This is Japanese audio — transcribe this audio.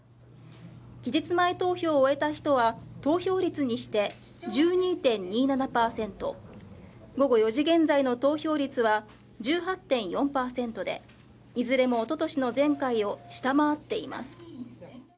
期日前投票を終えた人は投票率にして１２．２７％、午後４時現在の投票率は１８．４％で、いずれもおととしの前回を下回っています。